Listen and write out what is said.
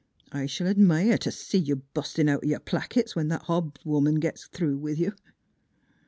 I sh'll admire t' see you bustin' out o' your plackets when that Hobbs woman gits through of you!"